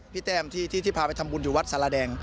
แต้มที่พาไปทำบุญอยู่วัดสารแดง